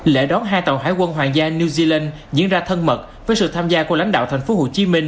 lễ đón hai tàu hải quân hoàng gia new zealand diễn ra thân mật với sự tham gia của lãnh đạo tp hcm